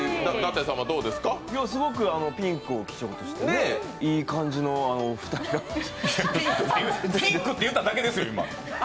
すごくピンクを基調として、いい感じの２人だとピンクって言うただけですよ、今。